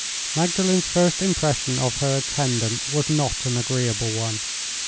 Magdalen's first impression of her attendant was not an agreeable one.